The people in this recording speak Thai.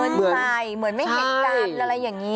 ใส่เหมือนไม่เห็นกันอะไรอย่างนี้